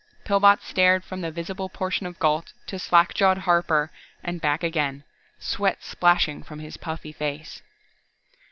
Pillbot stared from the visible portion of Gault to slack jawed Harper and back again, sweat splashing from his puffy face.